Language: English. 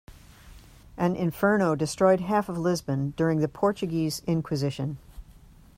An inferno destroyed half of Lisbon during the Portuguese inquisition.